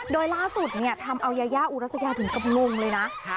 โดยล่าสุดเนี่ยทำเอายายาอุรสเยาถึงกำลุงเลยน่ะค่ะ